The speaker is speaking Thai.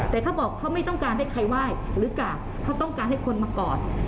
แต่เขาบอกเขาไม่ต้องการให้ใครไหว้หรือกราบเขาต้องการให้คนมากอด